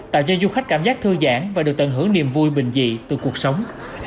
tạo cho du khách cảm giác thư giãn và được tận hưởng niềm vui bình dị từ cuộc sống